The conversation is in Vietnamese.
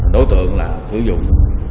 đối tượng là sử dụng